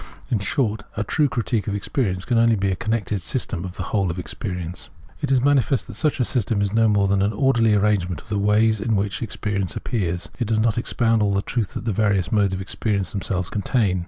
In short, a true critique of experience can only be a connected system of the whole of experience. It is manifest that such a system is no more than an orderly arrangement of the ways in which experience appears. It does not expound all the truth that the various modes of experience themselves contain.